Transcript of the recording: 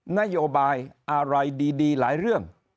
นโยบายอะไรดีหลายเรื่อง